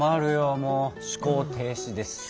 もう思考停止です。